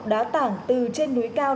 đá tảng từ trên núi cao